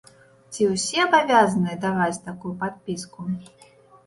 Ці ўсе абавязаныя даваць такую падпіску?